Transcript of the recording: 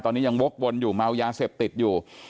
ตอนนี้ยังวกวนอยู่เมายาเสพติดอยู่